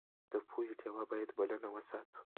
د پوهې ډېوه باید بلنده وساتو.